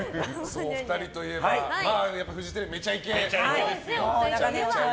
お二人といえばフジテレビ「めちゃイケ」。